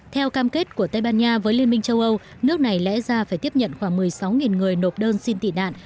theo cam kết của tây ban nha với liên minh châu âu nước này lẽ ra phải tiếp nhận khoảng một mươi sáu người nộp đơn xin tị nạn